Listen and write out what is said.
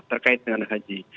terkait dengan haji